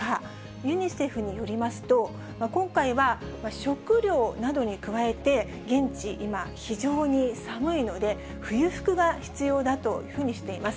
ユニセフによりますと、今回は食料などに加えて、現地、今、非常に寒いので、冬服が必要だというふうにしています。